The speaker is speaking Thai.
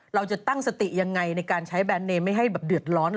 เราจะตั้งสติยังไงในการใช้แบรนดเนมไม่ให้แบบเดือดร้อน